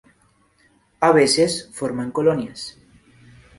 A veces, forman colonias.